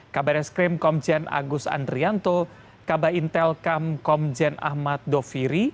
kabaret skrim komjen agus andrianto kabar intel kam komjen ahmad doviri